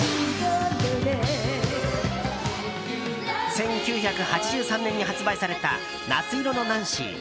１９８３年に発売された「夏色のナンシー」。